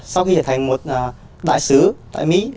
sau khi trở thành một đại sứ tại mỹ